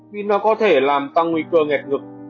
vì nó có thể làm tăng nguy cơ nghẹt ngực